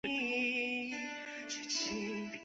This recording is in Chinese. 病情只是每下愈况